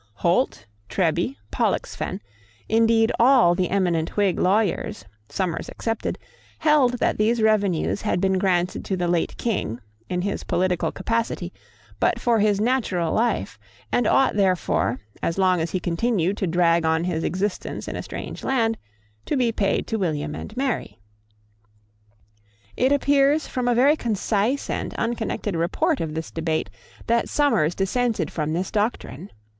Holt, Treby, Pollexfen, indeed all the eminent Whig lawyers, Somers excepted, held that these revenues had been granted to the late King, in his political capacity, but for his natural life, and ought therefore, as long as he continued to drag on his existence in a strange land, to be paid to William and Mary. It appears from a very concise and unconnected report of the debate that Somers dissented from this doctrine.